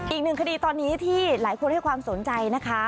อีกหนึ่งคดีตอนนี้ที่หลายคนให้ความสนใจนะคะ